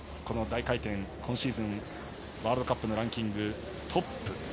この大回転、今シーズンワールドカップのランキングトップ。